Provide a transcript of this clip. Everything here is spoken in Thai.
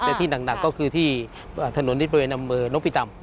แต่ที่หนักก็คือที่ถนนที่บริเวณอำเภอนกพิตำ